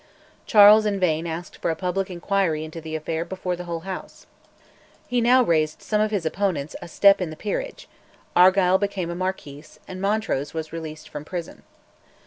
Charles in vain asked for a public inquiry into the affair before the whole House. He now raised some of his opponents a step in the peerage: Argyll became a marquis, and Montrose was released from prison.